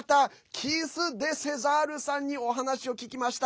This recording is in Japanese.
キース・デ・セザールさんにお話を聞きました。